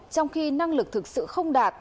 trong khi năng lực thực sự không đạt